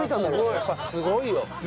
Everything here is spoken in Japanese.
やっぱりすごいよ岐阜。